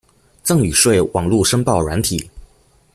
贈與稅網路申報軟體